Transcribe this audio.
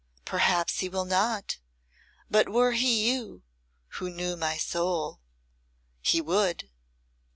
Perhaps He will not, but were He you who know my soul He would."